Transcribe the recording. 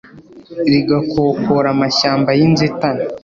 rigakokora amashyamba yinzitane